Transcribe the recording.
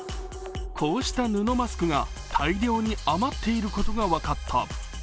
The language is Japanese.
こうした布マスクが大量に余っていることが分かった。